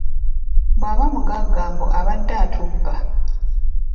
Bwaba mugagga mbu abadde atubba.